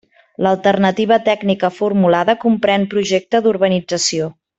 L'alternativa tècnica formulada comprén projecte d'urbanització.